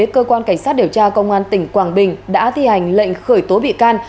cơ quan cảnh sát điều tra công an tỉnh quảng bình đã thi hành lệnh khởi tố bị can